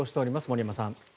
森山さん。